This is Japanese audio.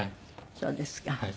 そうですか。